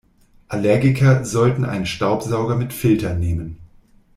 Allergiker sollten einen Staubsauger mit Filter nehmen.